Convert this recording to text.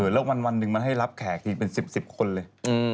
แล้ววันหนึ่งมันให้รับแขกอีกเป็น๑๐คนเลย